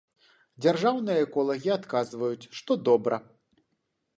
Дзяржаўныя эколагі адказваюць, што добра.